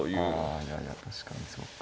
いやいや確かにそうか。